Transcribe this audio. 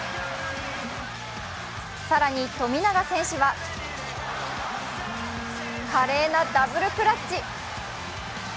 更に富永選手は華麗なダブルクラッチ。